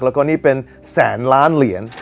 แล้วก็นี่เป็นแสนล้านเหรียญ